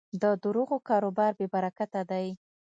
د دروغو کاروبار بېبرکته دی.